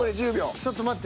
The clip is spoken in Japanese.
ちょっと待って。